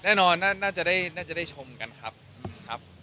แน่นอนน่าน่าจะได้น่าจะได้ชมกันครับอือครับ